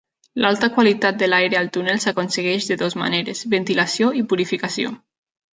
L'alta qualitat de l'aire al túnel s'aconsegueix de dues maneres: ventilació i purificació.